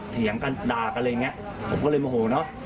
เถียงกันด่ากันอะไรอย่างเงี้ยผมก็เลยโมโหเนอะ